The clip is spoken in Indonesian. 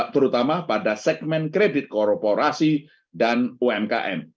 terutama pada segmen kredit korporasi dan umkm